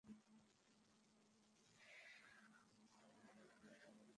হেই, বেটা।